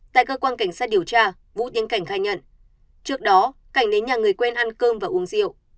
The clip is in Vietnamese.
tại cơ quan cảnh sát điều tra vũ tiến cảnh khai nhận trước đó cảnh đến nhà người quen ăn cơm và uống rượu